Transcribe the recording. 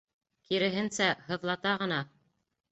— Киреһенсә, һыҙлата ғына...